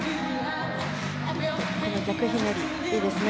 逆ひねりもいいですね。